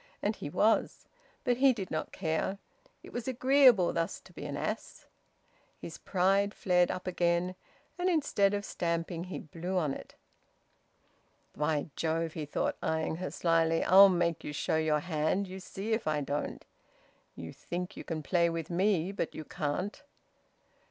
And he was. But he did not care. It was agreeable thus to be an ass... His pride flared up again, and instead of stamping he blew on it. "By Jove!" he thought, eyeing her slyly, "I'll make you show your hand you see if I don't! You think you can play with me, but you can't!"